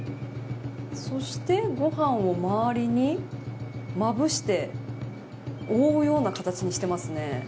そして、ご飯を周りにまぶして覆うような形にしています。